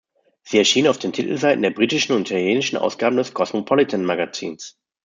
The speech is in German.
Sie erschien auf den Titelseiten der britischen und italienischen Ausgaben des "Cosmopolitan Magazins".